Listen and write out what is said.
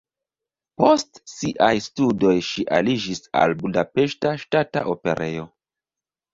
Post siaj studoj ŝi aliĝis al Budapeŝta Ŝtata Operejo.